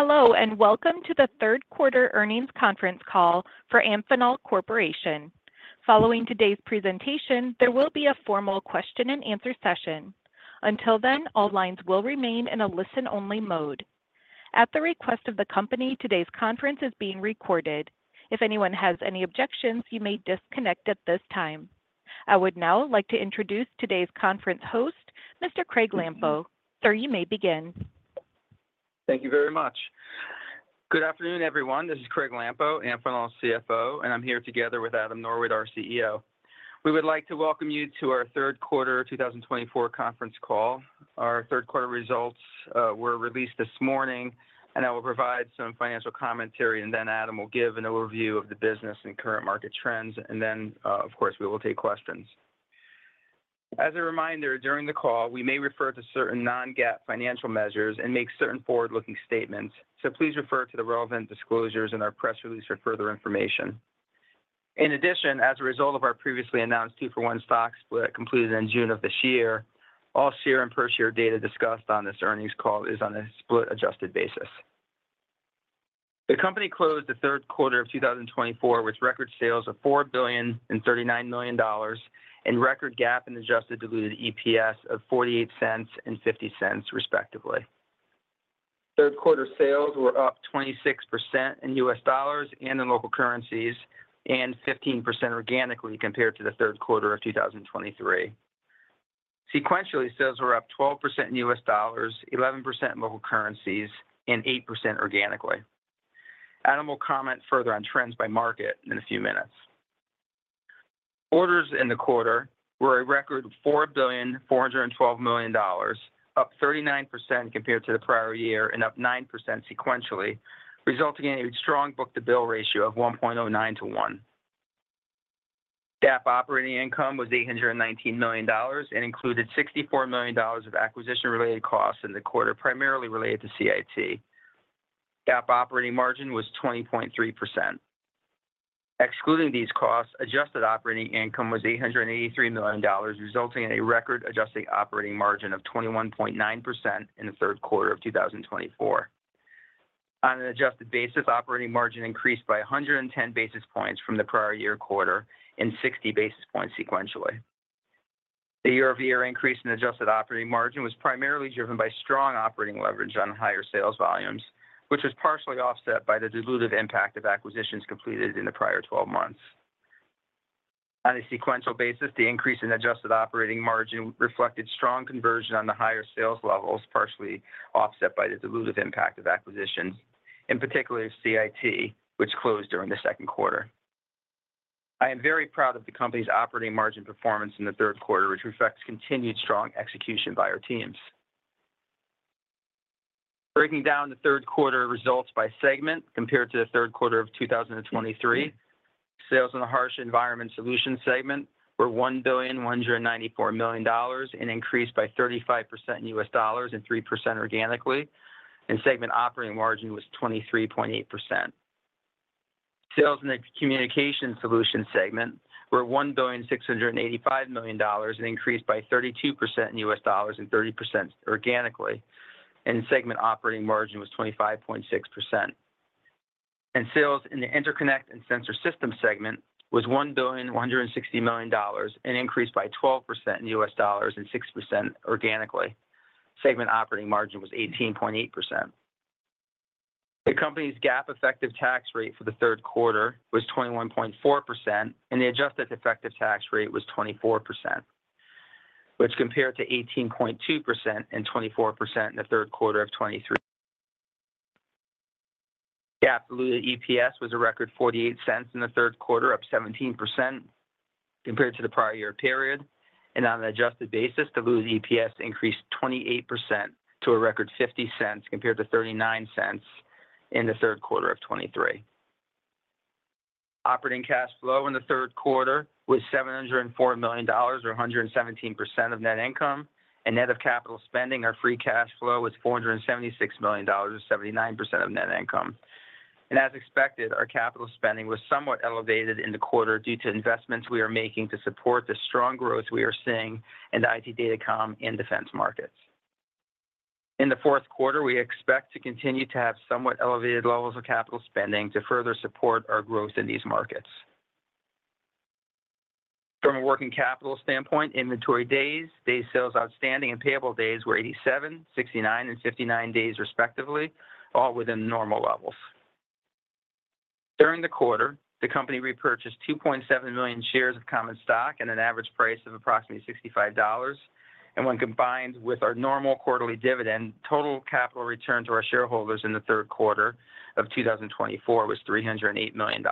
Hello, and welcome to the third quarter earnings conference call for Amphenol Corporation. Following today's presentation, there will be a formal question-and-answer session. Until then, all lines will remain in a listen-only mode. At the request of the company, today's conference is being recorded. If anyone has any objections, you may disconnect at this time. I would now like to introduce today's conference host, Mr. Craig Lampo. Sir, you may begin. Thank you very much. Good afternoon, everyone. This is Craig Lampo, Amphenol's CFO, and I'm here together with Adam Norwitt, our CEO. We would like to welcome you to our third quarter two thousand and twenty-four conference call. Our third quarter results were released this morning, and I will provide some financial commentary, and then Adam will give an overview of the business and current market trends, and then, of course, we will take questions. As a reminder, during the call, we may refer to certain non-GAAP financial measures and make certain forward-looking statements, so please refer to the relevant disclosures in our press release for further information. In addition, as a result of our previously announced two-for-one stock split completed in June of this year, all share and per share data discussed on this earnings call is on a split-adjusted basis. The company closed the third quarter of 2024 with record sales of $4.039 billion and record GAAP and adjusted diluted EPS of $0.48 and $0.50, respectively. Third quarter sales were up 26% in U.S. dollars and in local currencies, and 15% organically compared to the third quarter of 2023. Sequentially, sales were up 12% in U.S. dollars, 11% in local currencies, and 8% organically. Adam will comment further on trends by market in a few minutes. Orders in the quarter were a record $4.412 billion, up 39% compared to the prior year and up 9% sequentially, resulting in a strong book-to-bill ratio of 1.09 to 1. GAAP operating income was $819 million and included $64 million of acquisition-related costs in the quarter, primarily related to CIT. GAAP operating margin was 20.3%. Excluding these costs, adjusted operating income was $883 million, resulting in a record adjusted operating margin of 21.9% in the third quarter of 2024. On an adjusted basis, operating margin increased by 110 basis points from the prior year quarter and 60 basis points sequentially. The year-over-year increase in adjusted operating margin was primarily driven by strong operating leverage on higher sales volumes, which was partially offset by the dilutive impact of acquisitions completed in the prior twelve months. On a sequential basis, the increase in adjusted operating margin reflected strong conversion on the higher sales levels, partially offset by the dilutive impact of acquisitions, in particular CIT, which closed during the second quarter. I am very proud of the company's operating margin performance in the third quarter, which reflects continued strong execution by our teams. Breaking down the third quarter results by segment compared to the third quarter of 2023, sales in the Harsh Environment Solutions segment were $1.194 billion and increased by 35% in U.S. dollars and 3% organically, and segment operating margin was 23.8%. Sales in the Communication Solutions segment were $1.685 billion and increased by 32% in U.S. dollars and 30% organically, and segment operating margin was 25.6%. Sales in the Interconnect and Sensor Systems segment was $1.16 billion and increased by 12% in U.S. dollars and 6% organically. Segment operating margin was 18.8%. The company's GAAP effective tax rate for the third quarter was 21.4%, and the adjusted effective tax rate was 24%, which compared to 18.2% and 24% in the third quarter of 2023. GAAP diluted EPS was a record $0.48 in the third quarter, up 17% compared to the prior year period, and on an adjusted basis, diluted EPS increased 28% to a record $0.50, compared to $0.39 in the third quarter of 2023. Operating cash flow in the third quarter was $704 million, or 117% of net income, and net of capital spending, our free cash flow was $476 million, or 79% of net income. As expected, our capital spending was somewhat elevated in the quarter due to investments we are making to support the strong growth we are seeing in the IT Datacom and defense markets. In the fourth quarter, we expect to continue to have somewhat elevated levels of capital spending to further support our growth in these markets. From a working capital standpoint, inventory days, days sales outstanding, and payable days were 87, 69, and 59 days, respectively, all within normal levels. During the quarter, the company repurchased 2.7 million shares of common stock at an average price of approximately $65, and when combined with our normal quarterly dividend, total capital return to our shareholders in the third quarter of 2024 was $308 million.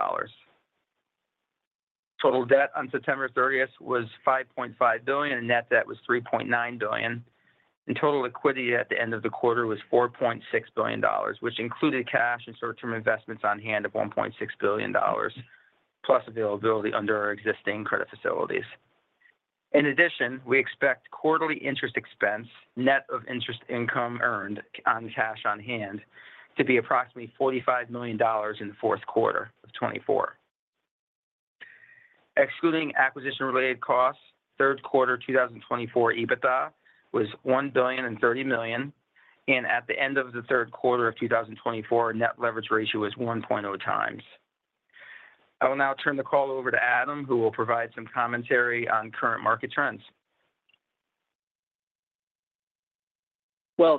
Total debt on September 30th was $5.5 billion, and net debt was $3.9 billion, and total liquidity at the end of the quarter was $4.6 billion, which included cash and short-term investments on hand of $1.6 billion, plus availability under our existing credit facilities. In addition, we expect quarterly interest expense, net of interest income earned on cash on hand, to be approximately $45 million in the fourth quarter of 2024. Excluding acquisition-related costs, third quarter 2024 EBITDA was $1.03 billion, and at the end of the third quarter of 2024, net leverage ratio was 1.0 times. I will now turn the call over to Adam, who will provide some commentary on current market trends.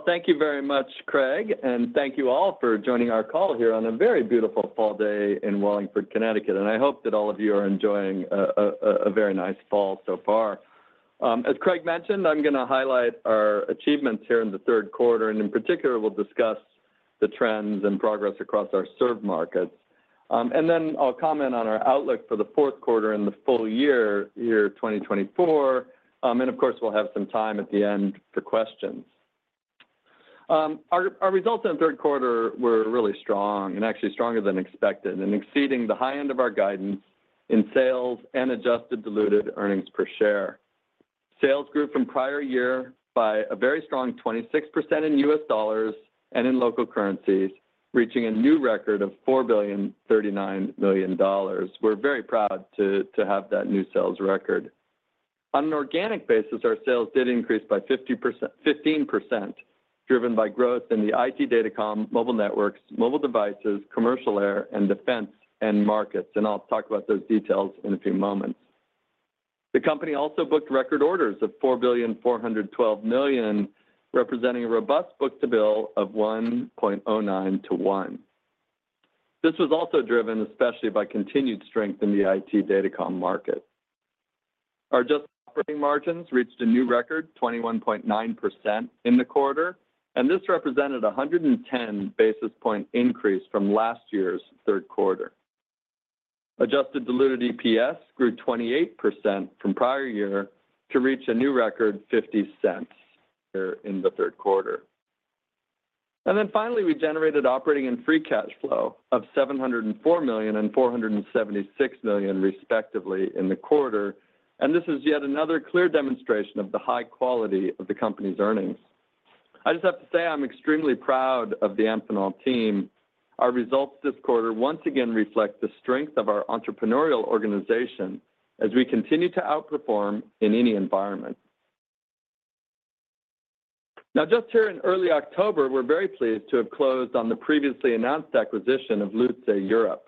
Thank you very much, Craig, and thank you all for joining our call here on a very beautiful fall day in Wallingford, Connecticut. I hope that all of you are enjoying a very nice fall so far. As Craig mentioned, I'm gonna highlight our achievements here in the third quarter, and in particular, we'll discuss the trends and progress across our served markets. I'll comment on our outlook for the fourth quarter and the full year 2024. Of course, we'll have some time at the end for questions. Our results in the third quarter were really strong and actually stronger than expected and exceeding the high end of our guidance in sales and adjusted diluted earnings per share. Sales grew from prior year by a very strong 26% in U.S. dollars and in local currencies, reaching a new record of $4.039 billion. We're very proud to have that new sales record. On an organic basis, our sales did increase by 15%, driven by growth in the IT Datacom, mobile networks, mobile devices, commercial air, and defense end markets, and I'll talk about those details in a few moments. The company also booked record orders of $4.412 billion, representing a robust book-to-bill of 1.09 to 1. This was also driven especially by continued strength in the IT Datacom market. Our adjusted operating margins reached a new record, 21.9% in the quarter, and this represented a 110 basis point increase from last year's third quarter. Adjusted diluted EPS grew 28% from prior year to reach a new record $0.50 here in the third quarter. Then finally, we generated operating and free cash flow of $704 million and $476 million, respectively, in the quarter, and this is yet another clear demonstration of the high quality of the company's earnings. I just have to say, I'm extremely proud of the Amphenol team. Our results this quarter once again reflect the strength of our entrepreneurial organization as we continue to outperform in any environment. Now, just here in early October, we're very pleased to have closed on the previously announced acquisition of Lutze Europe.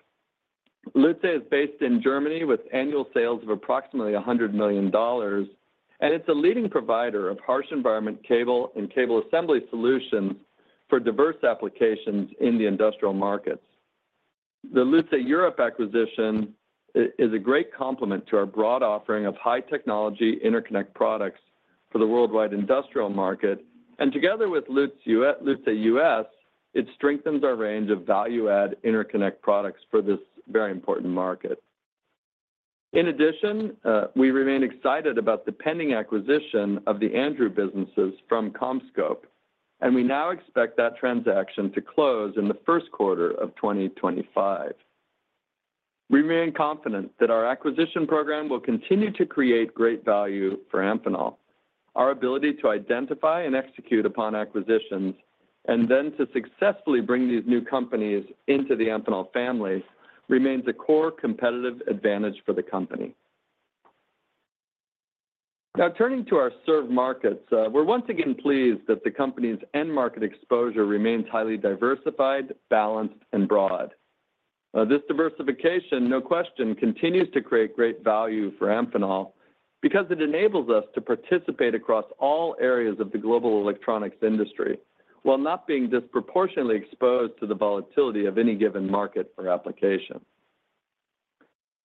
Lutze is based in Germany, with annual sales of approximately $100 million, and it's a leading provider of harsh environment cable and cable assembly solutions for diverse applications in the industrial markets. The Lutze Europe acquisition is a great complement to our broad offering of high-technology interconnect products for the worldwide industrial market, and together with Lutze U.S., it strengthens our range of value-add interconnect products for this very important market. In addition, we remain excited about the pending acquisition of the Andrew businesses from CommScope, and we now expect that transaction to close in the first quarter of 2025. We remain confident that our acquisition program will continue to create great value for Amphenol. Our ability to identify and execute upon acquisitions, and then to successfully bring these new companies into the Amphenol family, remains a core competitive advantage for the company. Now, turning to our served markets, we're once again pleased that the company's end market exposure remains highly diversified, balanced, and broad. This diversification, no question, continues to create great value for Amphenol because it enables us to participate across all areas of the global electronics industry while not being disproportionately exposed to the volatility of any given market or application.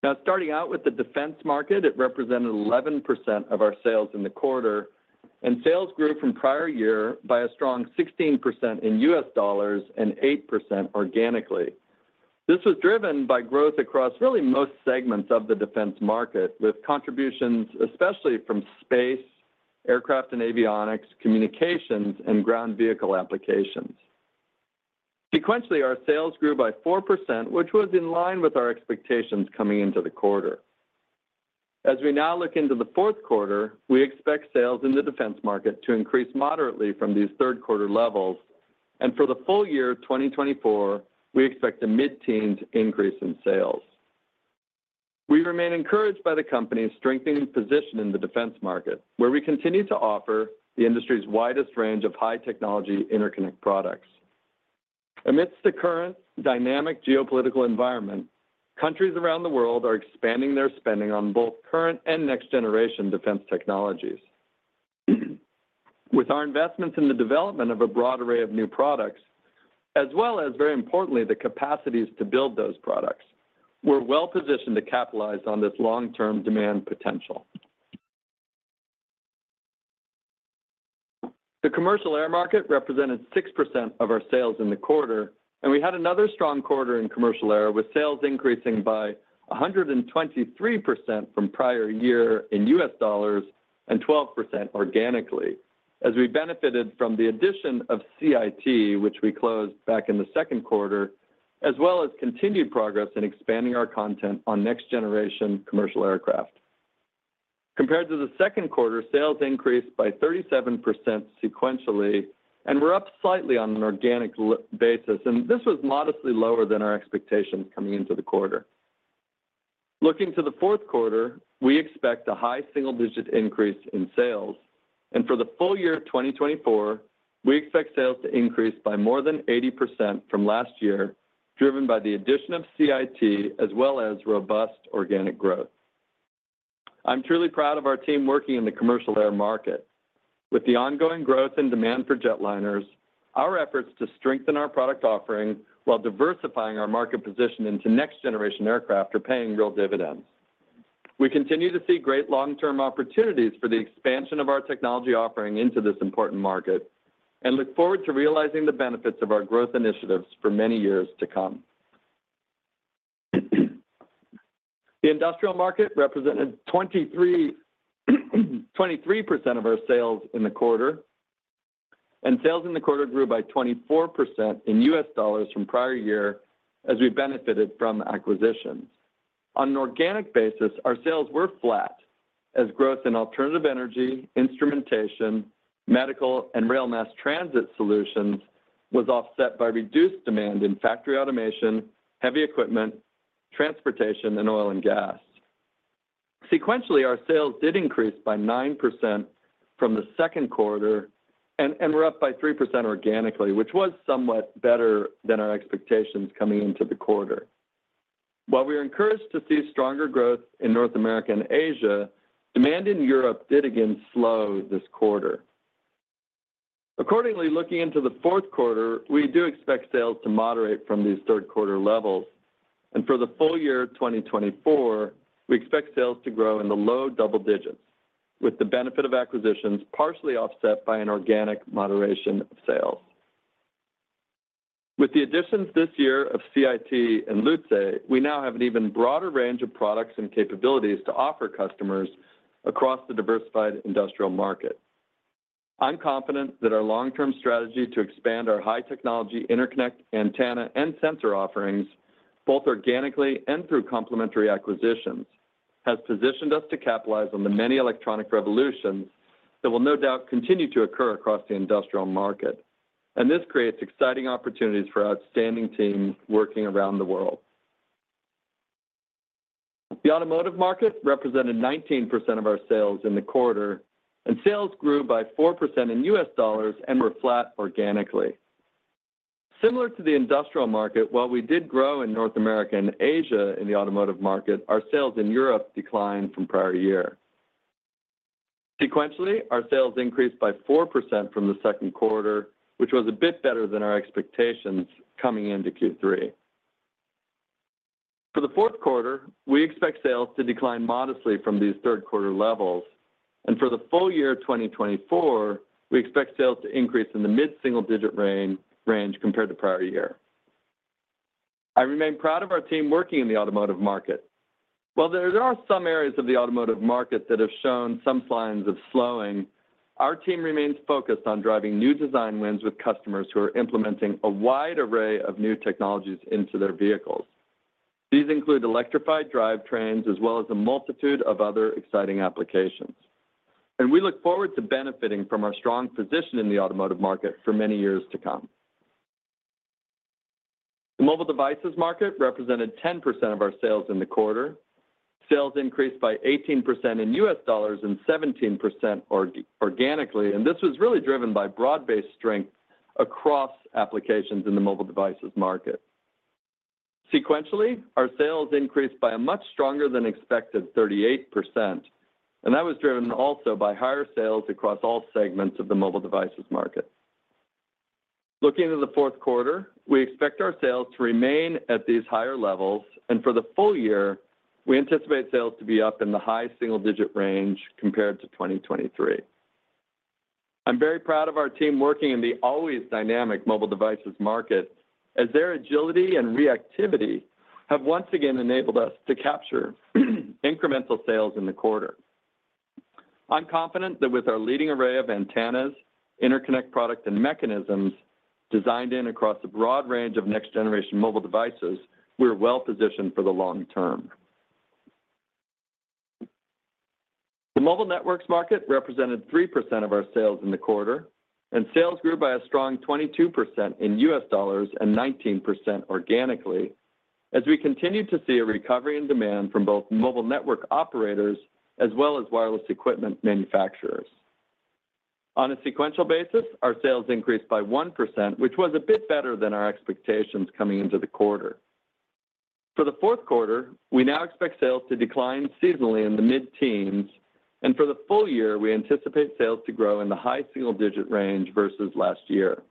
Now, starting out with the defense market, it represented 11% of our sales in the quarter, and sales grew from prior year by a strong 16% in U.S. dollars and 8% organically. This was driven by growth across really most segments of the defense market, with contributions, especially from space, aircraft and avionics, communications, and ground vehicle applications. Sequentially, our sales grew by 4%, which was in line with our expectations coming into the quarter. As we now look into the fourth quarter, we expect sales in the defense market to increase moderately from these third quarter levels, and for the full year of twenty twenty-four, we expect a mid-teens increase in sales. We remain encouraged by the company's strengthening position in the defense market, where we continue to offer the industry's widest range of high-technology interconnect products. Amidst the current dynamic geopolitical environment, countries around the world are expanding their spending on both current and next-generation defense technologies. With our investments in the development of a broad array of new products, as well as, very importantly, the capacities to build those products, we're well positioned to capitalize on this long-term demand potential. The commercial air market represented 6% of our sales in the quarter, and we had another strong quarter in commercial air, with sales increasing by 123% from prior year in U.S. dollars and 12% organically, as we benefited from the addition of CIT, which we closed back in the second quarter, as well as continued progress in expanding our content on next-generation commercial aircraft. Compared to the second quarter, sales increased by 37% sequentially, and were up slightly on an organic basis, and this was modestly lower than our expectations coming into the quarter. Looking to the fourth quarter, we expect a high single-digit increase in sales, and for the full year of 2024, we expect sales to increase by more than 80% from last year, driven by the addition of CIT as well as robust organic growth. I'm truly proud of our team working in the commercial air market. With the ongoing growth and demand for jetliners, our efforts to strengthen our product offering while diversifying our market position into next-generation aircraft are paying real dividends. We continue to see great long-term opportunities for the expansion of our technology offering into this important market and look forward to realizing the benefits of our growth initiatives for many years to come. The industrial market represented 23, 23% of our sales in the quarter, and sales in the quarter grew by 24% in U.S. dollars from prior year as we benefited from acquisitions. On an organic basis, our sales were flat as growth in alternative energy, instrumentation, medical, and rail mass transit solutions was offset by reduced demand in factory automation, heavy equipment, transportation, and oil and gas. Sequentially, our sales did increase by 9% from the second quarter and were up by 3% organically, which was somewhat better than our expectations coming into the quarter. While we are encouraged to see stronger growth in North America and Asia, demand in Europe did again slow this quarter. Accordingly, looking into the fourth quarter, we do expect sales to moderate from these third quarter levels, and for the full year of 2024, we expect sales to grow in the low double digits, with the benefit of acquisitions partially offset by an organic moderation of sales. With the additions this year of CIT and Lutze, we now have an even broader range of products and capabilities to offer customers across the diversified industrial market. I'm confident that our long-term strategy to expand our high-technology interconnect, antenna, and sensor offerings, both organically and through complementary acquisitions, has positioned us to capitalize on the many electronic revolutions that will no doubt continue to occur across the industrial market, and this creates exciting opportunities for our outstanding teams working around the world. The automotive market represented 19% of our sales in the quarter, and sales grew by 4% in U.S. dollars and were flat organically. Similar to the industrial market, while we did grow in North America and Asia in the automotive market, our sales in Europe declined from prior year. Sequentially, our sales increased by 4% from the second quarter, which was a bit better than our expectations coming into Q3. For the fourth quarter, we expect sales to decline modestly from these third quarter levels, and for the full year of twenty twenty-four, we expect sales to increase in the mid-single-digit range compared to prior year. I remain proud of our team working in the automotive market. While there are some areas of the automotive market that have shown some signs of slowing, our team remains focused on driving new design wins with customers who are implementing a wide array of new technologies into their vehicles. These include electrified drivetrains as well as a multitude of other exciting applications, and we look forward to benefiting from our strong position in the automotive market for many years to come. The mobile devices market represented 10% of our sales in the quarter. Sales increased by 18% in U.S. dollars and 17% organically, and this was really driven by broad-based strength across applications in the mobile devices market. Sequentially, our sales increased by a much stronger than expected 38%, and that was driven also by higher sales across all segments of the mobile devices market. Looking into the fourth quarter, we expect our sales to remain at these higher levels, and for the full year, we anticipate sales to be up in the high single-digit range compared to 2023. I'm very proud of our team working in the always dynamic mobile devices market, as their agility and reactivity have once again enabled us to capture incremental sales in the quarter. I'm confident that with our leading array of antennas, interconnect product, and mechanisms designed in across a broad range of next-generation mobile devices, we are well positioned for the long term. The mobile networks market represented 3% of our sales in the quarter, and sales grew by a strong 22% in U.S. dollars and 19% organically, as we continued to see a recovery in demand from both mobile network operators as well as wireless equipment manufacturers. On a sequential basis, our sales increased by 1%, which was a bit better than our expectations coming into the quarter. For the fourth quarter, we now expect sales to decline seasonally in the mid-teens, and for the full year, we anticipate sales to grow in the high single-digit range versus last year.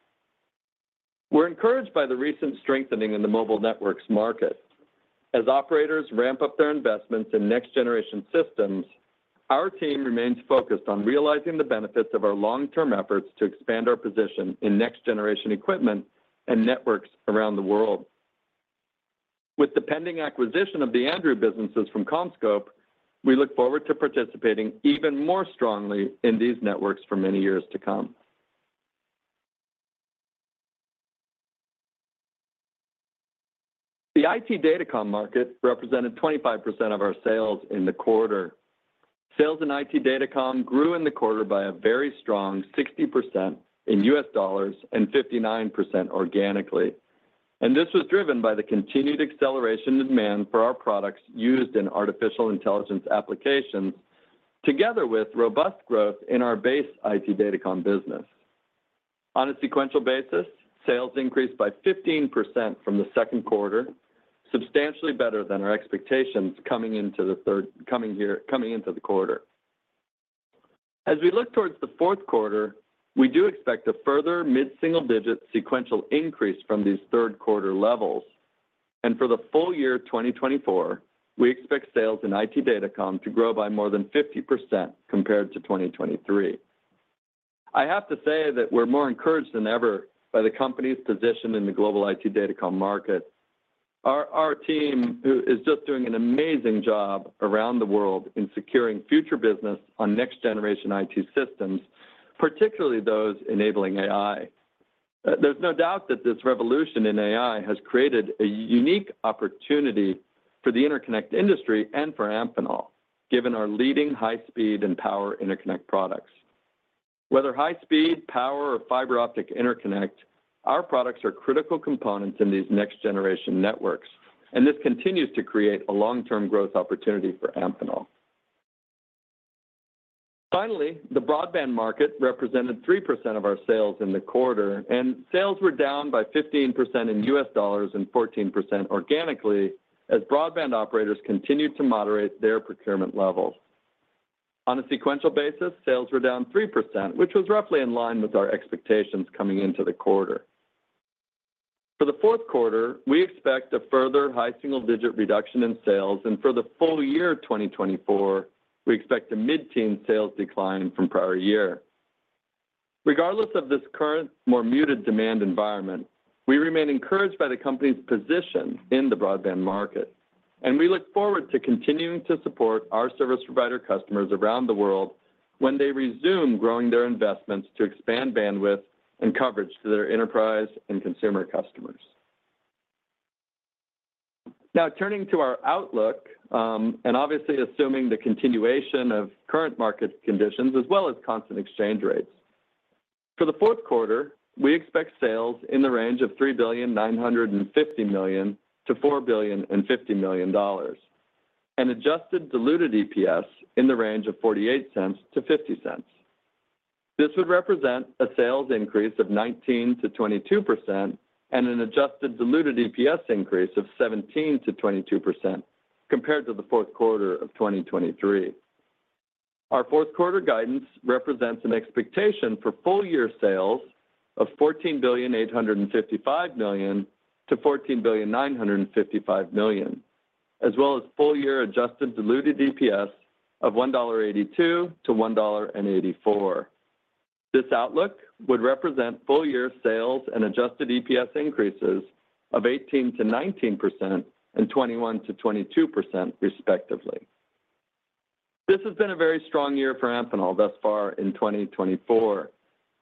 We're encouraged by the recent strengthening in the mobile networks market. As operators ramp up their investments in next-generation systems, our team remains focused on realizing the benefits of our long-term efforts to expand our position in next-generation equipment and networks around the world. With the pending acquisition of the Andrew businesses from CommScope, we look forward to participating even more strongly in these networks for many years to come. The IT Datacom market represented 25% of our sales in the quarter. Sales in IT Datacom grew in the quarter by a very strong 60% in U.S. dollars and 59% organically. And this was driven by the continued acceleration demand for our products used in artificial intelligence applications, together with robust growth in our base IT Datacom business. On a sequential basis, sales increased by 15% from the second quarter, substantially better than our expectations coming into the quarter. As we look towards the fourth quarter, we do expect a further mid-single-digit sequential increase from these third quarter levels. And for the full year, 2024, we expect sales in IT Datacom to grow by more than 50% compared to 2023. I have to say that we're more encouraged than ever by the company's position in the global IT Datacom market. Our team is just doing an amazing job around the world in securing future business on next generation IT systems, particularly those enabling AI. There's no doubt that this revolution in AI has created a unique opportunity for the interconnect industry and for Amphenol, given our leading high speed and power interconnect products. Whether high speed, power or fiber optic interconnect, our products are critical components in these next generation networks, and this continues to create a long-term growth opportunity for Amphenol. Finally, the broadband market represented 3% of our sales in the quarter, and sales were down by 15% in U.S. dollars and 14% organically, as broadband operators continued to moderate their procurement levels. On a sequential basis, sales were down 3%, which was roughly in line with our expectations coming into the quarter. For the fourth quarter, we expect a further high single digit reduction in sales, and for the full year of 2024, we expect a mid-teen sales decline from prior year. Regardless of this current, more muted demand environment, we remain encouraged by the company's position in the broadband market, and we look forward to continuing to support our service provider customers around the world when they resume growing their investments to expand bandwidth and coverage to their enterprise and consumer customers. Now, turning to our outlook, and obviously, assuming the continuation of current market conditions as well as constant exchange rates. For the fourth quarter, we expect sales in the range of $3.95 billion-$4.05 billion, an adjusted diluted EPS in the range of $0.48-$0.50. This would represent a sales increase of 19%-22% and an adjusted diluted EPS increase of 17%-22% compared to the fourth quarter of 2023. Our fourth quarter guidance represents an expectation for full year sales of $14.855 billion-$14.955 billion, as well as full year adjusted diluted EPS of $1.82-$1.84. This outlook would represent full year sales and adjusted EPS increases of 18%-19% and 21%-22%, respectively. This has been a very strong year for Amphenol thus far in 2024,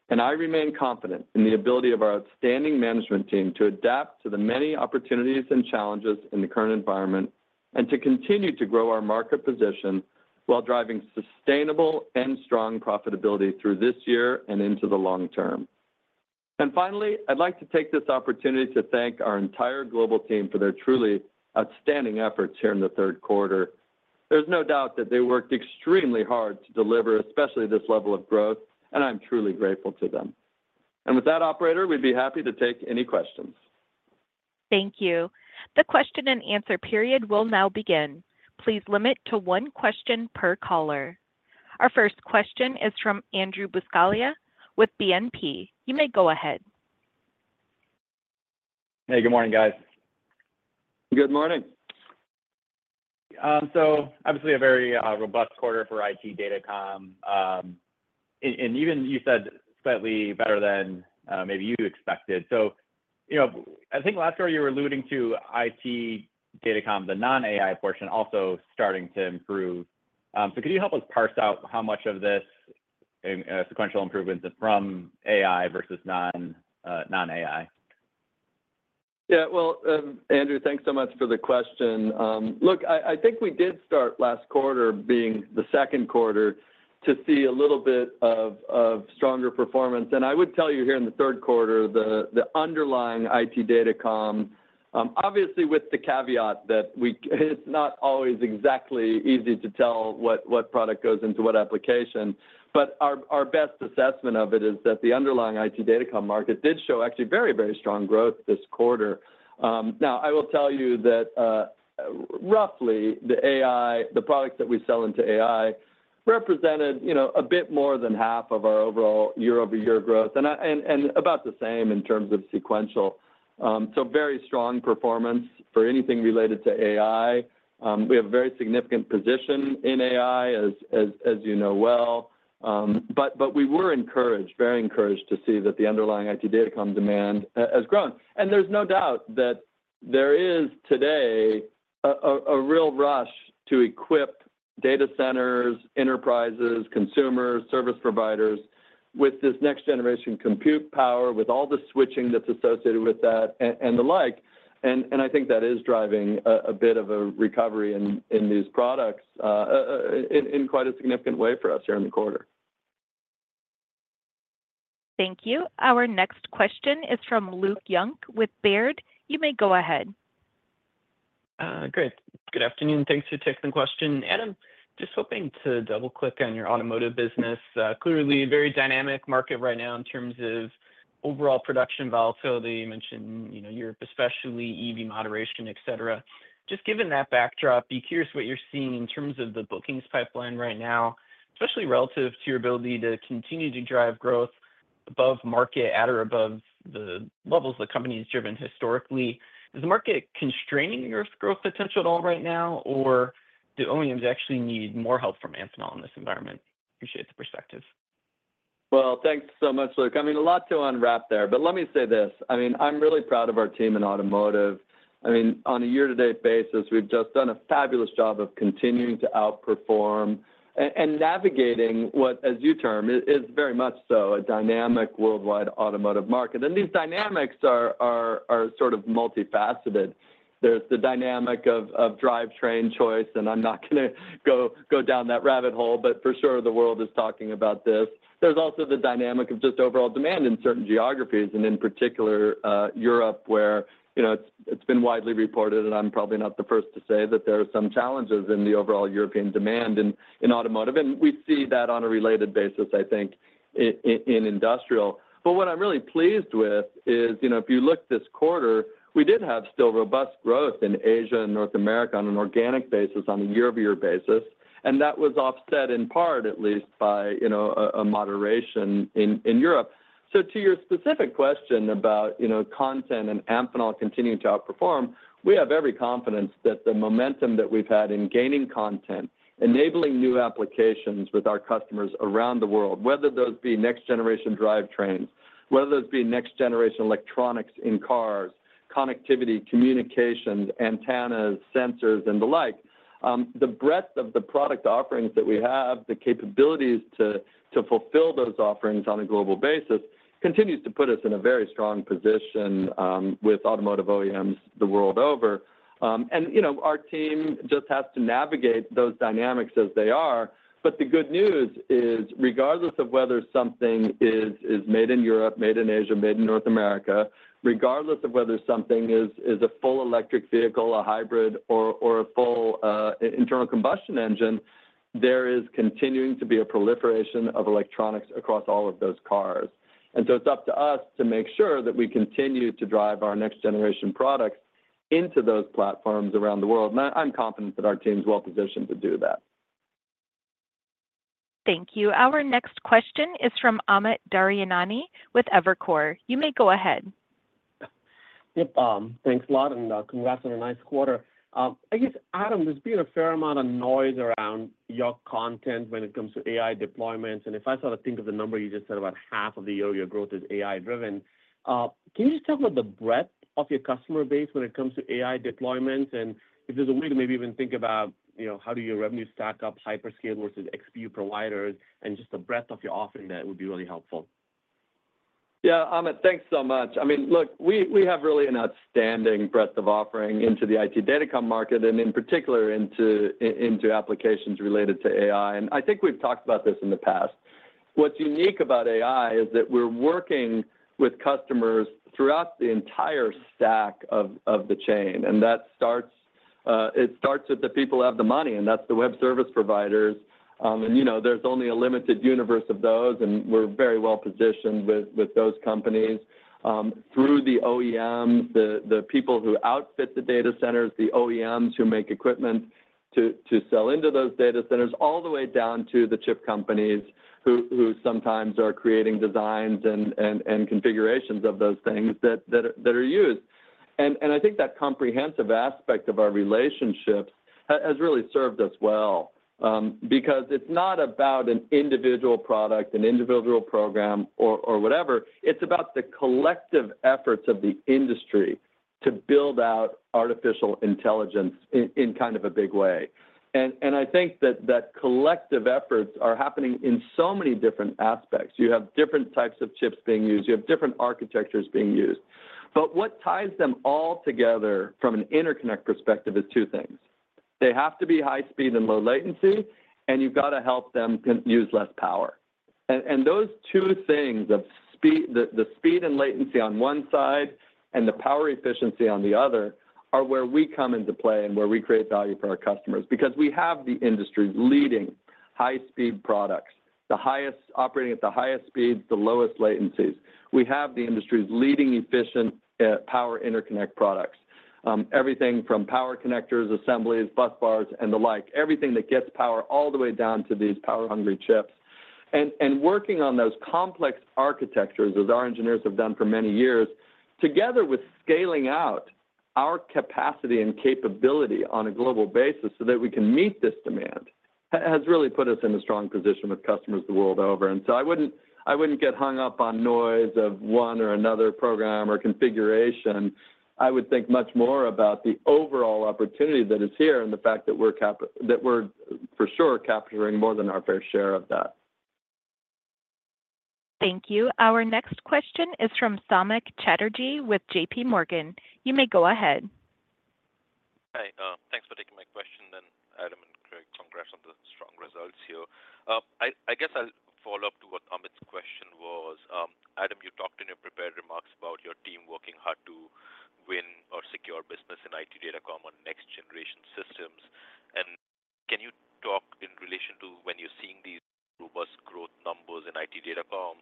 and I remain confident in the ability of our outstanding management team to adapt to the many opportunities and challenges in the current environment, and to continue to grow our market position while driving sustainable and strong profitability through this year and into the long term. Finally, I'd like to take this opportunity to thank our entire global team for their truly outstanding efforts here in the third quarter. There's no doubt that they worked extremely hard to deliver, especially this level of growth, and I'm truly grateful to them. And with that, operator, we'd be happy to take any questions. Thank you. The question and answer period will now begin. Please limit to one question per caller. Our first question is from Andrew Buscaglia with BNP. You may go ahead. Hey, good morning, guys. Good morning. Obviously a very robust quarter for IT Datacom, and even you said slightly better than maybe you expected. You know, I think last quarter you were alluding to IT Datacom, the non-AI portion also starting to improve. Could you help us parse out how much of this sequential improvement is from AI versus non-AI? Yeah, well, Andrew, thanks so much for the question. Look, I think we did start last quarter, being the second quarter, to see a little bit of stronger performance. And I would tell you here in the third quarter, the underlying IT Datacom, obviously with the caveat that we, it's not always exactly easy to tell what product goes into what application, but our best assessment of it is that the underlying IT Datacom market did show actually very, very strong growth this quarter. Now, I will tell you that, roughly, the AI, the products that we sell into AI represented, you know, a bit more than half of our overall year-over-year growth, and about the same in terms of sequential. So very strong performance for anything related to AI. We have a very significant position in AI, as you know well, but we were encouraged, very encouraged to see that the underlying IT Datacom demand has grown. There's no doubt that there is a real rush to equip data centers, enterprises, consumers, service providers with this next-generation compute power, with all the switching that's associated with that, and the like, and I think that is driving a bit of a recovery in these products in quite a significant way for us here in the quarter. Thank you. Our next question is from Luke Junk with Baird. You may go ahead. Great. Good afternoon. Thanks for taking the question. Adam, just hoping to double-click on your automotive business. Clearly a very dynamic market right now in terms of overall production volatility. You mentioned, you know, Europe especially, EV moderation, et cetera. Just given that backdrop, be curious what you're seeing in terms of the bookings pipeline right now, especially relative to your ability to continue to drive growth above market, at or above the levels the company's driven historically. Is the market constraining your growth potential at all right now, or do OEMs actually need more help from Amphenol in this environment? Appreciate the perspective. Thanks so much, Luke. I mean, a lot to unwrap there, but let me say this: I mean, I'm really proud of our team in automotive. I mean, on a year-to-date basis, we've just done a fabulous job of continuing to outperform and navigating what, as you term, is very much so a dynamic worldwide automotive market, and these dynamics are sort of multifaceted. There's the dynamic of drivetrain choice, and I'm not gonna go down that rabbit hole, but for sure the world is talking about this. There's also the dynamic of just overall demand in certain geographies, and in particular, Europe, where, you know, it's been widely reported, and I'm probably not the first to say that there are some challenges in the overall European demand in automotive, and we see that on a related basis, I think, in industrial. But what I'm really pleased with is, you know, if you look this quarter, we did have still robust growth in Asia and North America on an organic basis, on a year-over-year basis, and that was offset, in part at least, by, you know, a moderation in Europe. To your specific question about, you know, content and Amphenol continuing to outperform, we have every confidence that the momentum that we've had in gaining content, enabling new applications with our customers around the world, whether those be next-generation drivetrains, whether those be next-generation electronics in cars, connectivity, communication, antennas, sensors, and the like, the breadth of the product offerings that we have, the capabilities to fulfill those offerings on a global basis, continues to put us in a very strong position with automotive OEMs the world over. You know, our team just has to navigate those dynamics as they are, but the good news is, regardless of whether something is made in Europe, made in Asia, made in North America, regardless of whether something is a full electric vehicle, a hybrid, or a full internal combustion engine, there is continuing to be a proliferation of electronics across all of those cars. And so it's up to us to make sure that we continue to drive our next-generation products into those platforms around the world, and I'm confident that our team's well-positioned to do that. Thank you. Our next question is from Amit Daryanani with Evercore. You may go ahead. Yep, thanks a lot, and, congrats on a nice quarter. I guess, Adam, there's been a fair amount of noise around your content when it comes to AI deployments, and if I sort of think of the number you just said, about half of the year-over-year growth is AI driven. Can you just talk about the breadth of your customer base when it comes to AI deployments? And if there's a way to maybe even think about, you know, how do your revenue stack up, hyperscale versus XPU providers, and just the breadth of your offering, that would be really helpful. Yeah, Amit, thanks so much. I mean, look, we have really an outstanding breadth of offering into the IT Datacom market, and in particular, into applications related to AI, and I think we've talked about this in the past. What's unique about AI is that we're working with customers throughout the entire stack of the chain, and that starts with the people who have the money, and that's the web service providers. You know, there's only a limited universe of those, and we're very well-positioned with those companies. Through the OEMs, the people who outfit the data centers, the OEMs who make equipment to sell into those data centers, all the way down to the chip companies, who sometimes are creating designs and configurations of those things that are used. I think that comprehensive aspect of our relationships has really served us well, because it's not about an individual product, an individual program, or whatever. It's about the collective efforts of the industry to build out artificial intelligence in kind of a big way. I think that collective efforts are happening in so many different aspects. You have different types of chips being used, you have different architectures being used. What ties them all together from an interconnect perspective is two things: They have to be high speed and low latency, and you've got to help them use less power. Those two things of speed, the speed and latency on one side, and the power efficiency on the other, are where we come into play, and where we create value for our customers. Because we have the industry's leading high-speed products, the highest operating at the highest speeds, the lowest latencies. We have the industry's leading efficient power interconnect products. Everything from power connectors, assemblies, bus bars, and the like, everything that gets power all the way down to these power-hungry chips. And working on those complex architectures, as our engineers have done for many years, together with scaling out our capacity and capability on a global basis so that we can meet this demand has really put us in a strong position with customers the world over. And so I wouldn't get hung up on noise of one or another program or configuration. I would think much more about the overall opportunity that is here and the fact that we're for sure capturing more than our fair share of that. Thank you. Our next question is from Samik Chatterjee with JPMorgan. You may go ahead. Hi, thanks for taking my question, and Adam and Craig, congrats on the strong results here. I guess I'll follow up to what Amit's question was. Adam, you talked in your prepared remarks about your team working hard to win or secure business in IT Datacom on next-generation systems. And can you talk in relation to when you're seeing these robust growth numbers in IT Datacom,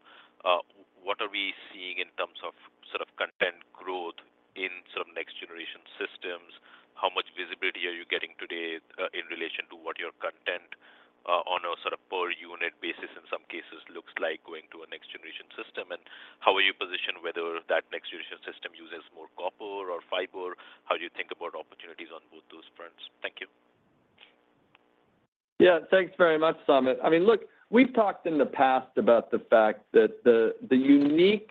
what are we seeing in terms of sort of content growth in sort of next-generation systems? How much visibility are you getting today, in relation to what your content, on a sort of per unit basis, in some cases, looks like going to a next-generation system? And how are you positioned, whether that next-generation system uses more copper or fiber? How do you think about opportunities on both those fronts? Thank you. Yeah. Thanks very much, Samik. I mean, look, we've talked in the past about the fact that the unique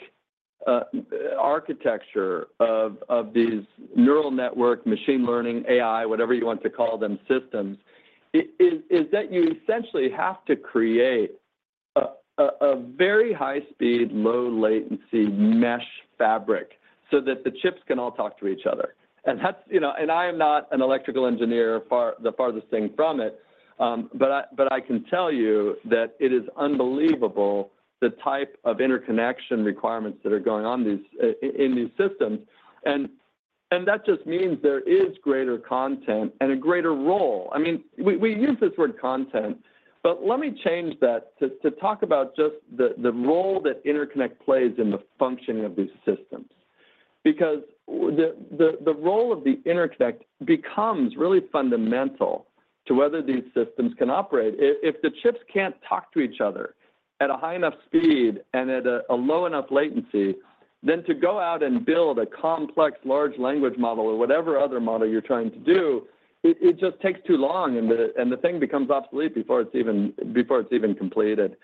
architecture of these neural network, machine learning, AI, whatever you want to call them, systems, is that you essentially have to create a very high speed, low latency mesh fabric so that the chips can all talk to each other. And that's, you know, and I am not an electrical engineer, far the farthest thing from it, but I can tell you that it is unbelievable the type of interconnection requirements that are going on in these systems. And that just means there is greater content and a greater role. I mean, we use this word content, but let me change that to talk about just the role that interconnect plays in the functioning of these systems. Because the role of the interconnect becomes really fundamental to whether these systems can operate. If the chips can't talk to each other at a high enough speed and at a low enough latency, then to go out and build a complex large language model or whatever other model you're trying to do, it just takes too long, and the thing becomes obsolete before it's even completed.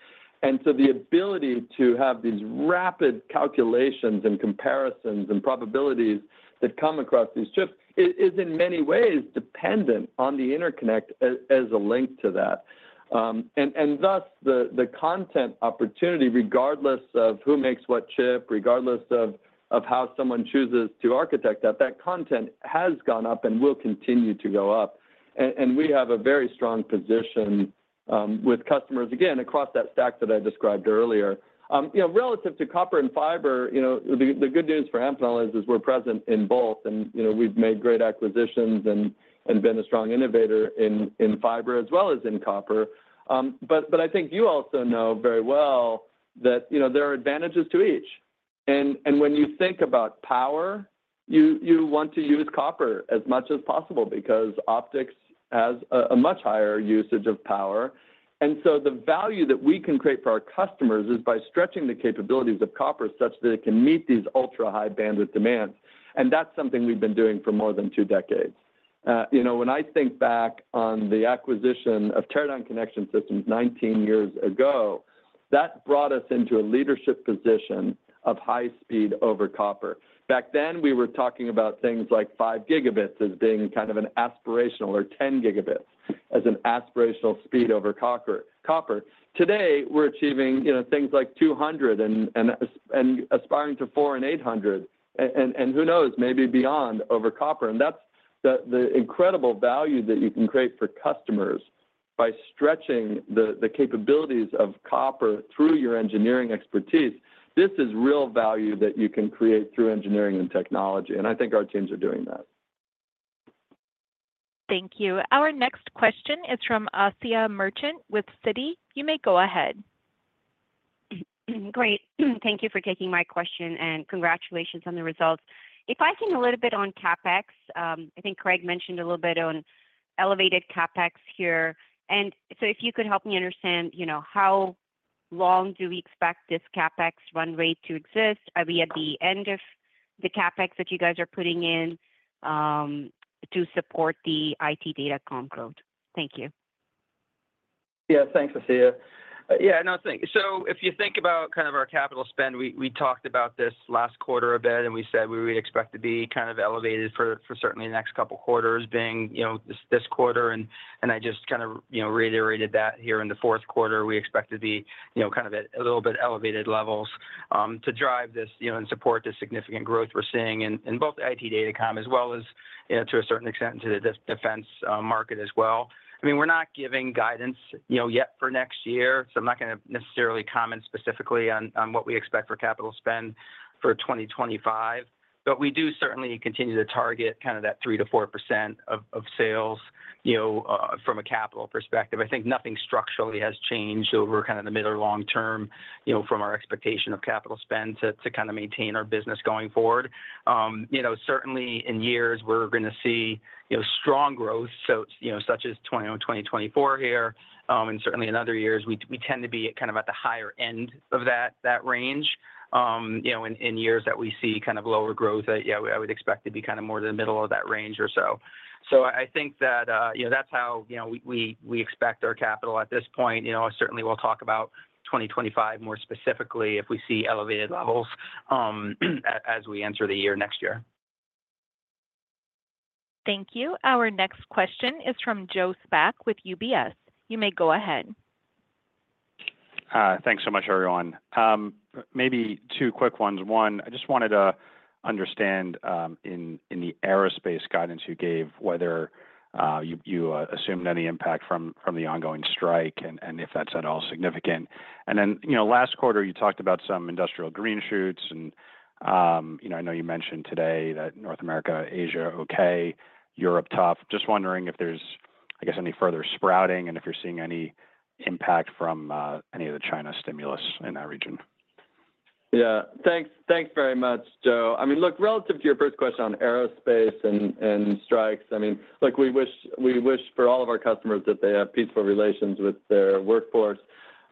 And so the ability to have these rapid calculations and comparisons and probabilities that come across these chips is in many ways dependent on the interconnect as a link to that. And thus, the content opportunity, regardless of who makes what chip, regardless of how someone chooses to architect that content has gone up and will continue to go up. We have a very strong position with customers, again, across that stack that I described earlier. You know, relative to copper and fiber, you know, the good news for Amphenol is we're present in both, and, you know, we've made great acquisitions and been a strong innovator in fiber as well as in copper. I think you also know very well that, you know, there are advantages to each. When you think about power, you want to use copper as much as possible because optics has a much higher usage of power. The value that we can create for our customers is by stretching the capabilities of copper such that it can meet these ultra-high bandwidth demands, and that's something we've been doing for more than two decades. You know, when I think back on the acquisition of Teradyne Connection Systems 19 years ago, that brought us into a leadership position of high speed over copper. Back then, we were talking about things like five gigabits as being kind of an aspirational or 10 gigabits as an aspirational speed over copper. Today, we're achieving, you know, things like 200 and aspiring to 4 and 800, and who knows, maybe beyond over copper. And that's the incredible value that you can create for customers by stretching the capabilities of copper through your engineering expertise. This is real value that you can create through engineering and technology, and I think our teams are doing that. Thank you. Our next question is from Asiya Merchant with Citi. You may go ahead. Great. Thank you for taking my question, and congratulations on the results. If I can, a little bit on CapEx. I think Craig mentioned a little bit on elevated CapEx here, and so if you could help me understand, you know, how long do we expect this CapEx run rate to exist? Are we at the end of the CapEx that you guys are putting in to support the IT Datacom growth? Thank you. Yeah. Thanks, Asiya. Yeah, no, I think so if you think about kind of our capital spend, we talked about this last quarter a bit, and we said we would expect to be kind of elevated for certainly the next couple of quarters being, you know, this quarter, and I just kind of, you know, reiterated that here in the fourth quarter. We expect to be, you know, kind of at a little bit elevated levels to drive this, you know, and support the significant growth we're seeing in both the IT Datacom as well as, you know, to a certain extent, to the defense market as well. I mean, we're not giving guidance, you know, yet for next year, so I'm not going to necessarily comment specifically on what we expect for capital spend for 2025, but we do certainly continue to target kind of that 3%-4% of sales, you know, from a capital perspective. I think nothing structurally has changed over kind of the mid or long term, you know, from our expectation of capital spend to kind of maintain our business going forward. You know, certainly in years we're going to see, you know, strong growth, so, you know, such as 2024 here, and certainly in other years, we tend to be kind of at the higher end of that range. You know, in years that we see kind of lower growth, yeah, I would expect to be kind of more in the middle of that range or so. So I think that, you know, that's how, you know, we expect our capital at this point. You know, certainly we'll talk about 2025 more specifically if we see elevated levels, as we enter the year next year. Thank you. Our next question is from Joe Spak with UBS. You may go ahead. Thanks so much, everyone. Maybe two quick ones. One, I just wanted to understand, in the aerospace guidance you gave, whether you assumed any impact from the ongoing strike and if that's at all significant. And then, you know, last quarter, you talked about some industrial green shoots and, you know, I know you mentioned today that North America, Asia, okay, Europe, tough. Just wondering if there's, I guess, any further sprouting, and if you're seeing any impact from any of the China stimulus in that region? Yeah. Thanks, thanks very much, Joe. I mean, look, relative to your first question on aerospace and, and strikes, I mean, look, we wish, we wish for all of our customers that they have peaceful relations with their workforce.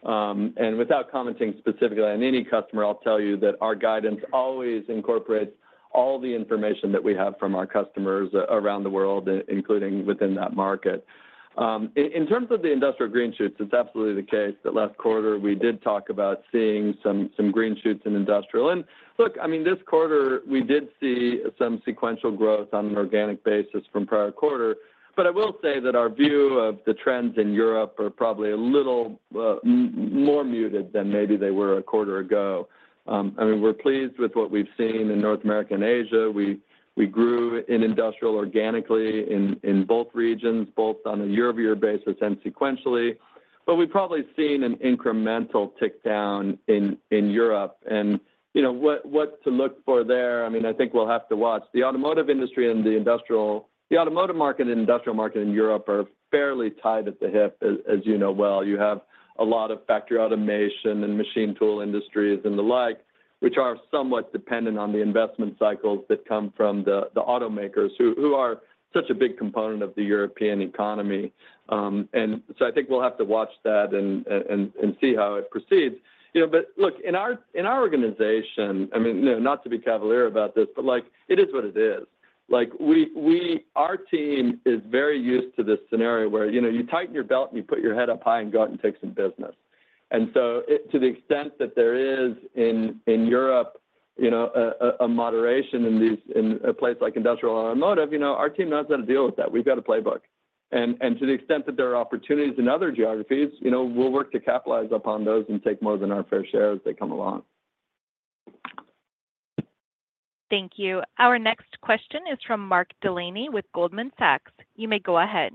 And without commenting specifically on any customer, I'll tell you that our guidance always incorporates all the information that we have from our customers around the world, including within that market. In terms of the industrial green shoots, it's absolutely the case that last quarter we did talk about seeing some, some green shoots in industrial. And look, I mean, this quarter, we did see some sequential growth on an organic basis from prior quarter. But I will say that our view of the trends in Europe are probably a little more muted than maybe they were a quarter ago. I mean, we're pleased with what we've seen in North America and Asia. We grew in industrial organically in both regions, both on a year-over-year basis and sequentially, but we've probably seen an incremental tick down in Europe. You know, what to look for there, I mean, I think we'll have to watch. The automotive industry and the industrial, the automotive market and industrial market in Europe are fairly tied at the hip, as you know well. You have a lot of factory automation and machine tool industries and the like, which are somewhat dependent on the investment cycles that come from the automakers, who are such a big component of the European economy. And so I think we'll have to watch that and see how it proceeds. You know, but look, in our organization, I mean, not to be cavalier about this, but, like, it is what it is. Like, we, our team is very used to this scenario where, you know, you tighten your belt and you put your head up high and go out and take some business. And so to the extent that there is in Europe, you know, a moderation in these, in a place like industrial and automotive, you know, our team knows how to deal with that. We've got a playbook. And to the extent that there are opportunities in other geographies, you know, we'll work to capitalize upon those and take more than our fair share as they come along. Thank you. Our next question is from Mark Delaney with Goldman Sachs. You may go ahead.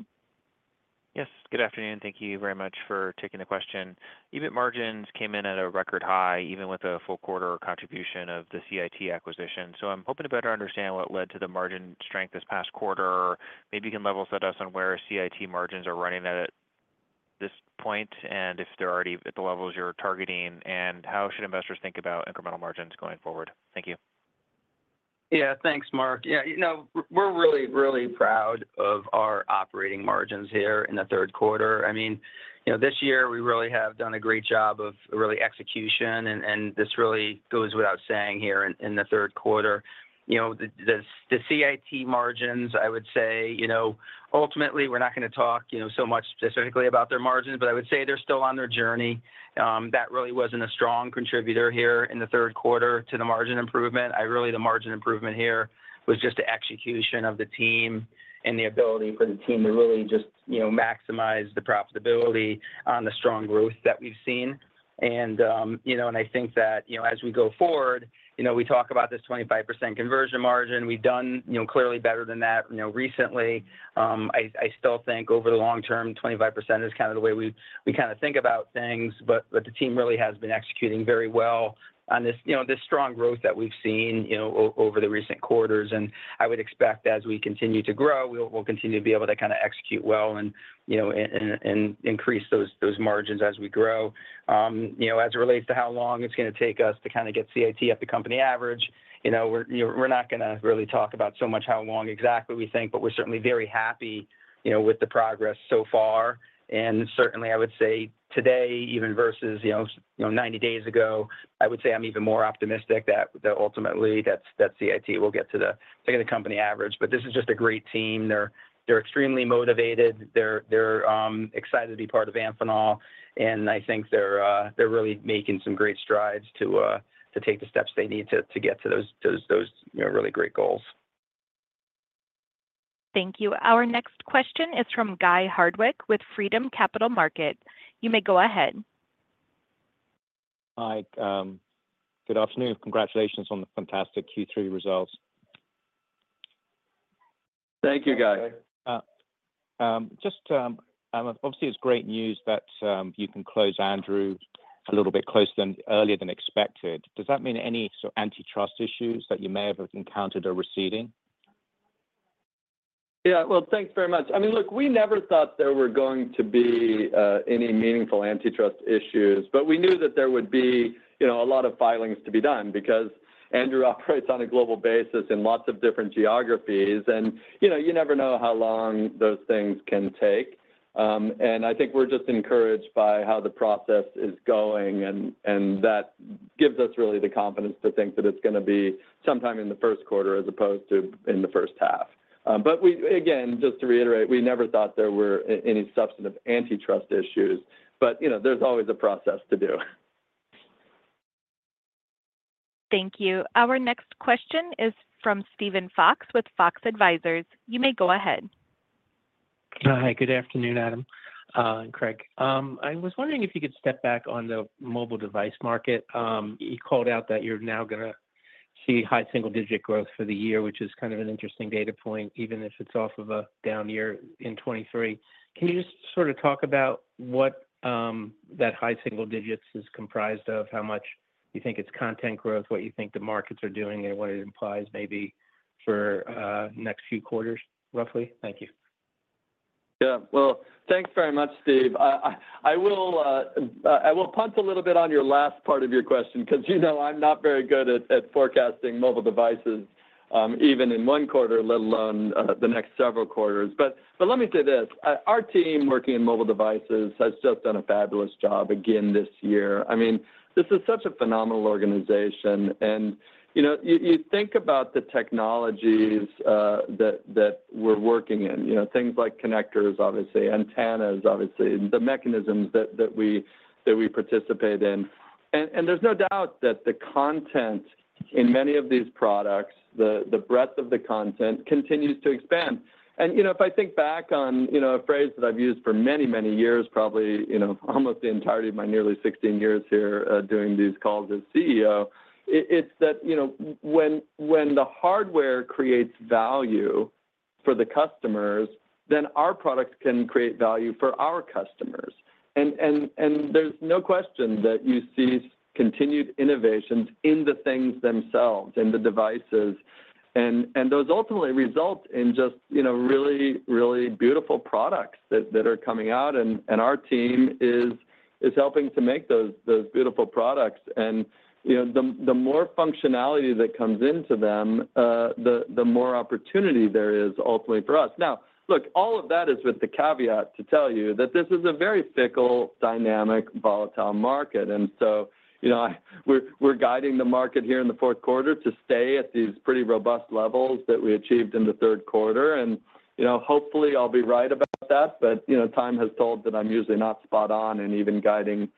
Yes, good afternoon. Thank you very much for taking the question. EBIT margins came in at a record high, even with a full quarter contribution of the CIT acquisition. So I'm hoping to better understand what led to the margin strength this past quarter. Maybe you can level set us on where CIT margins are running at this point, and if they're already at the levels you're targeting, and how should investors think about incremental margins going forward? Thank you. Yeah, thanks, Mark. Yeah, you know, we're really, really proud of our operating margins here in the third quarter. I mean, you know, this year, we really have done a great job of real execution, and this really goes without saying here in the third quarter. You know, the CIT margins, I would say, you know, ultimately, we're not gonna talk, you know, so much specifically about their margins, but I would say they're still on their journey. That really wasn't a strong contributor here in the third quarter to the margin improvement. Really, the margin improvement here was just the execution of the team and the ability for the team to really just, you know, maximize the profitability on the strong growth that we've seen. I think that as we go forward we talk about this 25% conversion margin. We've done clearly better than that recently. I still think over the long term 25% is kind of the way we kind of think about things, but the team really has been executing very well on this strong growth that we've seen over the recent quarters. I would expect as we continue to grow, we'll continue to be able to kind of execute well and increase those margins as we grow. You know, as it relates to how long it's gonna take us to kind of get CIT at the company average, you know, we're, you know, we're not gonna really talk about so much how long exactly we think, but we're certainly very happy, you know, with the progress so far, and certainly, I would say today, even versus, you know, you know, 90 days ago, I would say I'm even more optimistic that ultimately that CIT will get to the company average, but this is just a great team. They're excited to be part of Amphenol, and I think they're really making some great strides to take the steps they need to get to those, you know, really great goals. Thank you. Our next question is from Guy Hardwick with Freedom Capital Markets. You may go ahead. Hi, good afternoon. Congratulations on the fantastic Q3 results. Thank you, Guy. Just obviously, it's great news that you can close Andrew a little bit earlier than expected. Does that mean any sort of antitrust issues that you may have encountered are receding? Yeah, well, thanks very much. I mean, look, we never thought there were going to be any meaningful antitrust issues, but we knew that there would be, you know, a lot of filings to be done because Andrew operates on a global basis in lots of different geographies, and, you know, you never know how long those things can take. And I think we're just encouraged by how the process is going, and that gives us really the confidence to think that it's gonna be sometime in the first quarter as opposed to in the first half. But we, again, just to reiterate, we never thought there were any substantive antitrust issues, but, you know, there's always a process to do. Thank you. Our next question is from Steven Fox with Fox Advisors. You may go ahead. Hi, good afternoon, Adam, and Craig. I was wondering if you could step back on the mobile device market. You called out that you're now gonna see high single-digit growth for the year, which is kind of an interesting data point, even if it's off of a down year in 2023. Can you just sort of talk about what that high single digits is comprised of? How much you think it's content growth, what you think the markets are doing, and what it implies maybe for next few quarters, roughly? Thank you. Yeah. Well, thanks very much, Steve. I will punt a little bit on your last part of your question, 'cause, you know, I'm not very good at forecasting mobile devices, even in one quarter, let alone the next several quarters. But let me say this, our team working in mobile devices has just done a fabulous job again this year. I mean, this is such a phenomenal organization, and, you know, you think about the technologies that we're working in. You know, things like connectors, obviously, antennas, obviously, the mechanisms that we participate in. And there's no doubt that the content in many of these products, the breadth of the content continues to expand. You know, if I think back on a phrase that I've used for many, many years, probably almost the entirety of my nearly sixteen years here doing these calls as CEO, it's that when the hardware creates value for the customers, then our products can create value for our customers. And there's no question that you see continued innovations in the things themselves, in the devices, and those ultimately result in just really, really beautiful products that are coming out. And our team is helping to make those beautiful products. And you know, the more functionality that comes into them, the more opportunity there is ultimately for us. Now, look, all of that is with the caveat to tell you that this is a very fickle, dynamic, volatile market. And so, you know, we're guiding the market here in the fourth quarter to stay at these pretty robust levels that we achieved in the third quarter. And, you know, hopefully, I'll be right about that, but, you know, time has told that I'm usually not spot on in even guiding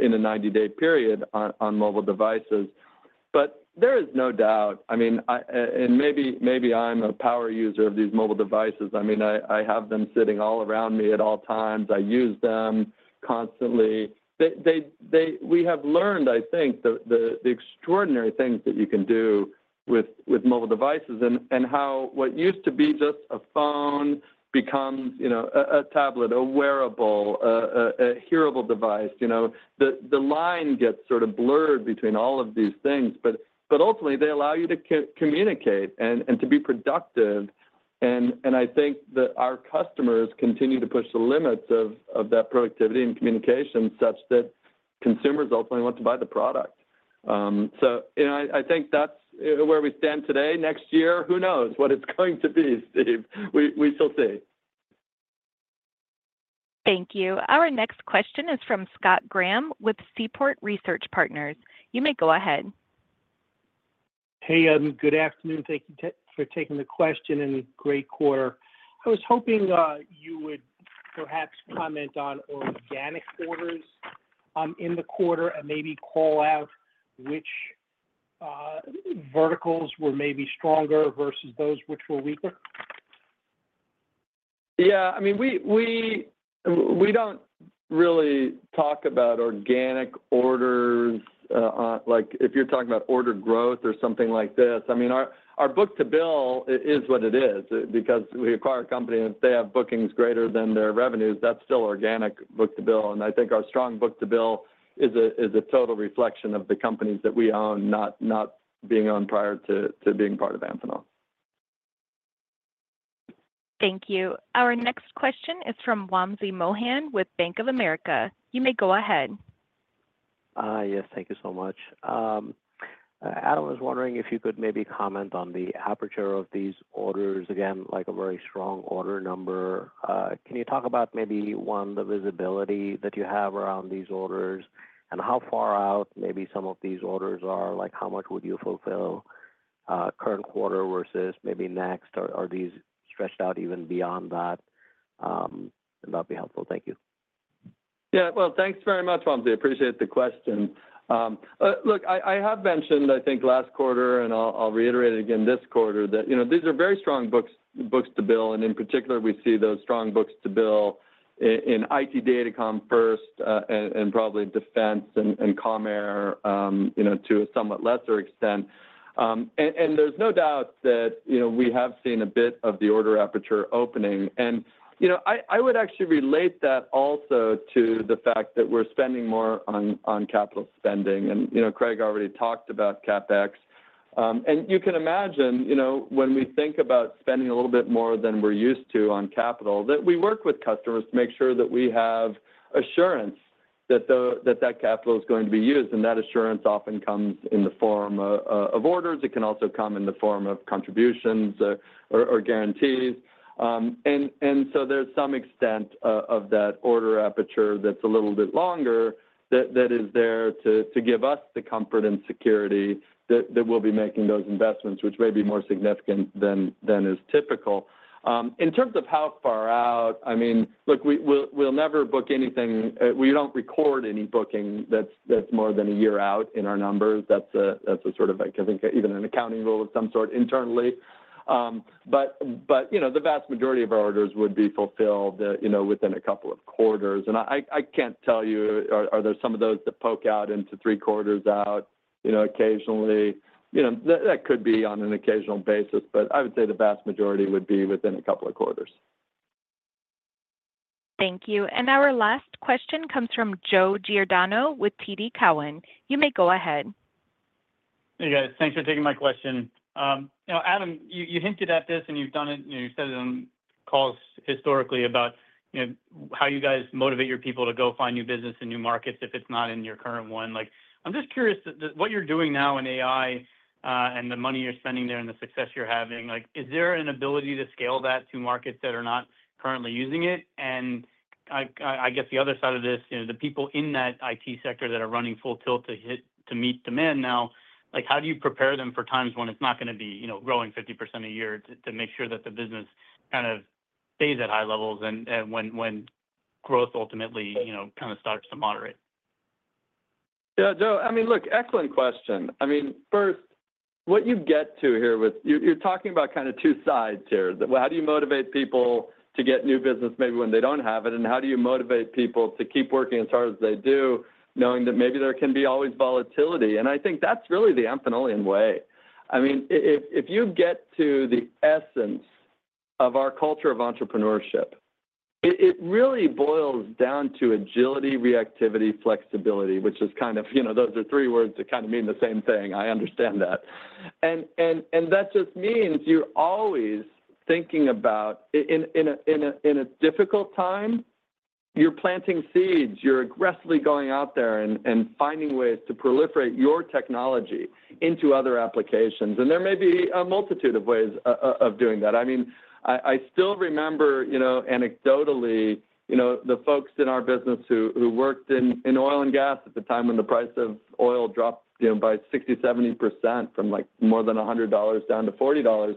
in a ninety-day period on mobile devices. But there is no doubt. I mean, and maybe I'm a power user of these mobile devices. I mean, I have them sitting all around me at all times. I use them constantly. We have learned, I think, the extraordinary things that you can do with mobile devices, and how what used to be just a phone becomes, you know, a tablet, a wearable, a hearable device. You know, the line gets sort of blurred between all of these things, but ultimately, they allow you to communicate and to be productive, and I think that our customers continue to push the limits of that productivity and communication, such that consumers ultimately want to buy the product, so you know, I think that's where we stand today. Next year, who knows what it's going to be, Steve? We shall see. Thank you. Our next question is from Scott Graham with Seaport Research Partners. You may go ahead. Hey, Adam, good afternoon. Thank you for taking the question, and great quarter. I was hoping you would perhaps comment on organic orders in the quarter and maybe call out which verticals were maybe stronger versus those which were weaker. Yeah, I mean, we don't really talk about organic orders. Like, if you're talking about order growth or something like this, I mean, our book-to-bill is what it is. Because if we acquire a company, and if they have bookings greater than their revenues, that's still organic book-to-bill. And I think our strong book-to-bill is a total reflection of the companies that we own, not being owned prior to being part of Amphenol. Thank you. Our next question is from Wamsi Mohan with Bank of America. You may go ahead. Yes, thank you so much. Adam, I was wondering if you could maybe comment on the appetite of these orders. Again, like, a very strong order number. Can you talk about maybe, one, the visibility that you have around these orders and how far out maybe some of these orders are? Like, how much would you fulfill, current quarter versus maybe next, or are these stretched out even beyond that? That'd be helpful. Thank you. Yeah. Well, thanks very much, Wamsi. I appreciate the question. Look, I have mentioned, I think, last quarter, and I'll reiterate it again this quarter, that, you know, these are very strong book-to-bill, and in particular, we see those strong book-to-bill in IT Datacom first, and probably Defense and Comm Air, you know, to a somewhat lesser extent. And there's no doubt that, you know, we have seen a bit of the order appetite opening. And, you know, I would actually relate that also to the fact that we're spending more on capital spending. And, you know, Craig already talked about CapEx. And you can imagine, you know, when we think about spending a little bit more than we're used to on capital, that we work with customers to make sure that we have assurance that the capital is going to be used, and that assurance often comes in the form of orders. It can also come in the form of contributions or guarantees, so there's some extent of that order aperture that's a little bit longer that is there to give us the comfort and security that we'll be making those investments, which may be more significant than is typical. In terms of how far out, I mean, look, we'll never book anything. We don't record any booking that's more than a year out in our numbers. That's a sort of, I think, even an accounting rule of some sort internally, but you know, the vast majority of our orders would be fulfilled, you know, within a couple of quarters, and I can't tell you, are there some of those that poke out into three quarters out, you know, occasionally? You know, that could be on an occasional basis, but I would say the vast majority would be within a couple of quarters. Thank you. And our last question comes from Joe Giordano with TD Cowen. You may go ahead. Hey, guys. Thanks for taking my question. You know, Adam, you hinted at this, and you've done it, and you've said it on calls historically about, you know, how you guys motivate your people to go find new business and new markets if it's not in your current one. Like, I'm just curious, what you're doing now in AI, and the money you're spending there and the success you're having, like, is there an ability to scale that to markets that are not currently using it? I guess the other side of this, you know, the people in that IT sector that are running full tilt to meet demand now, like, how do you prepare them for times when it's not gonna be, you know, growing 50% a year to make sure that the business kind of stays at high levels and when growth ultimately, you know, kind of starts to moderate? Yeah, Joe, I mean, look, excellent question. I mean, first, what you get to here with... You're talking about kind of two sides here. Well, how do you motivate people to get new business maybe when they don't have it, and how do you motivate people to keep working as hard as they do, knowing that maybe there can be always volatility? And I think that's really the Amphenolian way. I mean, if you get to the essence of our culture of entrepreneurship, it really boils down to agility, reactivity, flexibility, which is kind of, you know, those are three words that kind of mean the same thing. I understand that. And that just means you're always thinking about in a difficult time, you're planting seeds. You're aggressively going out there and finding ways to proliferate your technology into other applications, and there may be a multitude of ways of doing that. I mean, I still remember, you know, anecdotally, you know, the folks in our business who worked in oil and gas at the time when the price of oil dropped, you know, by 60%-70% from, like, more than $100 down to $40.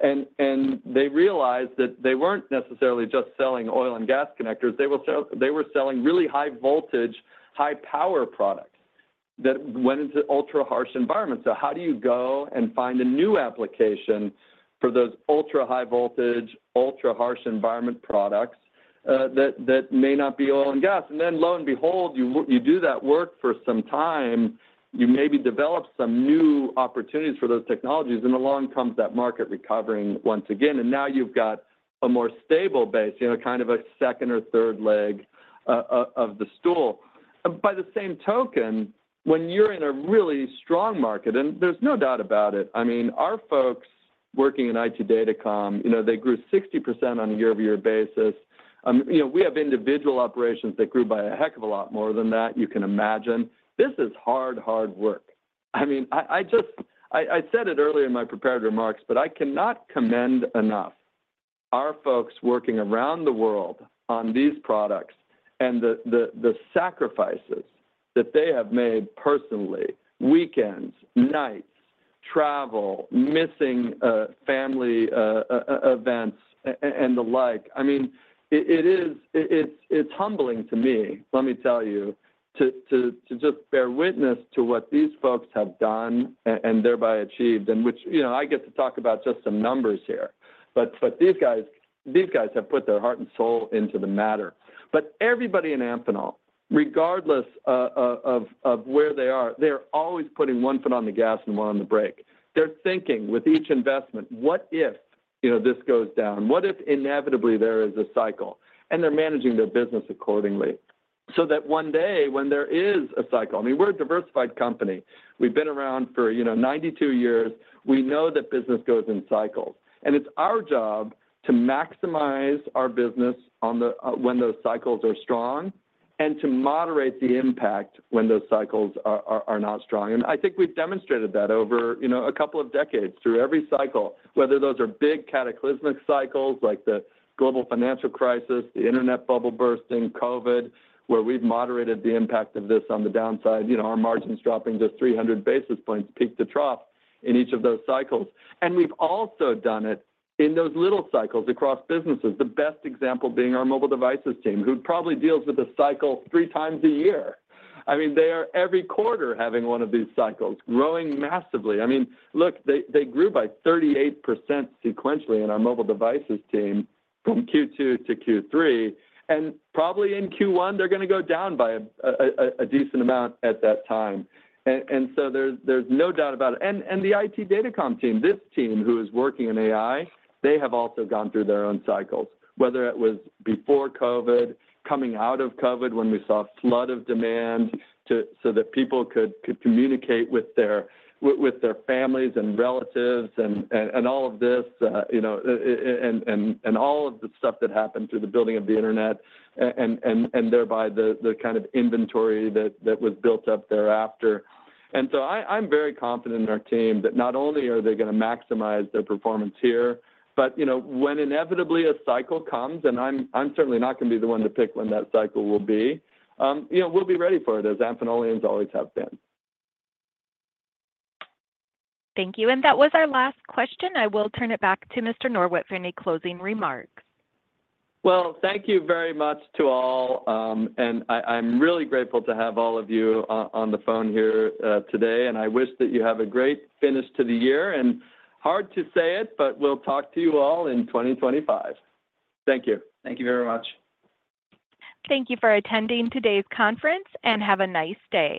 And they realized that they weren't necessarily just selling oil and gas connectors. They were selling really high-voltage, high-power products that went into ultra-harsh environments. So how do you go and find a new application for those ultra-high-voltage, ultra-harsh environment products that may not be oil and gas? And then, lo and behold, you do that work for some time, you maybe develop some new opportunities for those technologies, and along comes that market recovering once again, and now you've got a more stable base, you know, kind of a second or third leg of the stool. By the same token, when you're in a really strong market, and there's no doubt about it, I mean, our folks working in IT Datacom, you know, they grew 60% on a year-over-year basis. You know, we have individual operations that grew by a heck of a lot more than that, you can imagine. This is hard, hard work. I mean, I just... I said it earlier in my prepared remarks, but I cannot commend enough our folks working around the world on these products and the sacrifices that they have made personally: weekends, nights, travel, missing family events and the like. I mean, it is humbling to me, let me tell you, to just bear witness to what these folks have done and thereby achieved, and which, you know, I get to talk about just the numbers here. But these guys have put their heart and soul into the matter. But everybody in Amphenol, regardless of where they are, they are always putting one foot on the gas and one on the brake. They're thinking with each investment, "What if, you know, this goes down? What if, inevitably, there is a cycle?" And they're managing their business accordingly, so that one day, when there is a cycle. I mean, we're a diversified company. We've been around for, you know, ninety-two years. We know that business goes in cycles, and it's our job to maximize our business on the, when those cycles are strong and to moderate the impact when those cycles are not strong. And I think we've demonstrated that over, you know, a couple of decades through every cycle, whether those are big, cataclysmic cycles like the global financial crisis, the internet bubble bursting, COVID, where we've moderated the impact of this on the downside, you know, our margins dropping just three hundred basis points, peak to trough, in each of those cycles. And we've also done it in those little cycles across businesses, the best example being our mobile devices team, who probably deals with the cycle three times a year. I mean, they are every quarter having one of these cycles, growing massively. I mean, look, they grew by 38% sequentially in our mobile devices team from Q2 to Q3, and probably in Q1, they're gonna go down by a decent amount at that time. And so there's no doubt about it. The IT Datacom team, this team who is working in AI, they have also gone through their own cycles, whether it was before COVID, coming out of COVID, when we saw a flood of demand so that people could communicate with their families and relatives and all of this, you know, and all of the stuff that happened through the building of the internet and thereby the kind of inventory that was built up thereafter. And so I'm very confident in our team that not only are they gonna maximize their performance here, but you know, when inevitably a cycle comes, and I'm certainly not gonna be the one to pick when that cycle will be, you know, we'll be ready for it, as Amphenolians always have been. Thank you. And that was our last question. I will turn it back to Mr. Norwitt for any closing remarks. Well, thank you very much to all, and I'm really grateful to have all of you on the phone here today, and I wish that you have a great finish to the year. And hard to say it, but we'll talk to you all in 2025. Thank you. Thank you very much. Thank you for attending today's conference, and have a nice day.